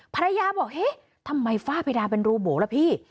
ภรรยาบอกเอ๊ะทำไมฝ้าเพดานเป็นรูโบล่ะพี่